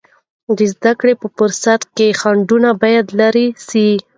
د زده کړې په پروسه کې خنډونه باید لیرې سي.